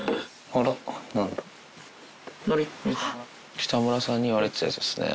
北村さんに言われてたやつですね。